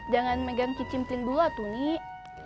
jangan megang kicim teling dulu atuh nih